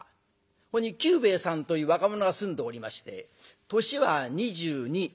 ここに久兵衛さんという若者が住んでおりまして年は２２。